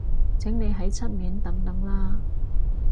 請你喺出面等等啦